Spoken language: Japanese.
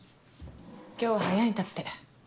今日早いんだって。